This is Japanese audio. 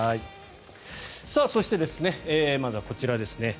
そして、まずはこちらですね。